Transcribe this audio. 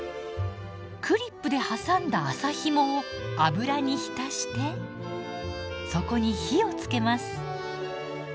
クリップで挟んだ麻ひもを油に浸してそこに火をつけます。